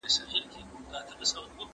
¬ له لېوني څخه ئې مه غواړه، مې ورکوه.